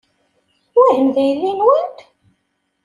Wihin d aydi-nwent?